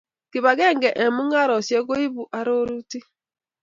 Kibagenge eng' mung'areshek koibu arorutik